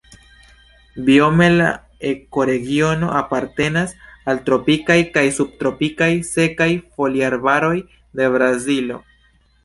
Biome la ekoregiono apartenas al tropikaj kaj subtropikaj sekaj foliarbaroj de Brazilo.